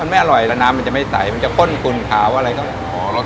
มันไม่อร่อยแล้วน้ำมันจะไม่ใสมันจะข้นกุ่นขาวอะไรก็อ๋อรส